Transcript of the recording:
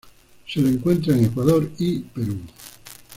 Se lo encuentra en Ecuador y Perú.